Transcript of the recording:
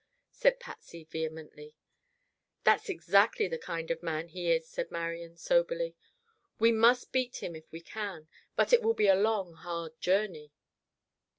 said Patsy vehemently. "That's exactly the kind of man he is," said Marian soberly. "We must beat him if we can. But it will be a long, hard journey."